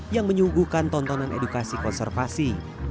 yang menyuguhkan tontonan edukasi konservasi